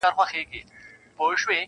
o بې له سُره چي پر هر مقام ږغېږي,